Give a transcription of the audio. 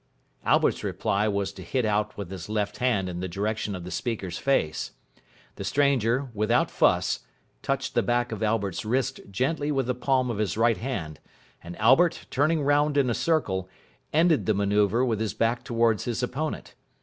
Albert's reply was to hit out with his left hand in the direction of the speaker's face. The stranger, without fuss, touched the back of Albert's wrist gently with the palm of his right hand, and Albert, turning round in a circle, ended the manoeuvre with his back towards his opponent.